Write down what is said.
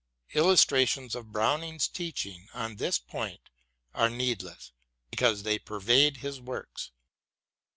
Illustrations of Browning's teaching on this point are needless, because they pervade his works.